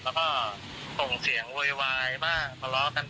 แล้วก็ส่งเสียงววยวายบ้างมาล้อกันบ้าง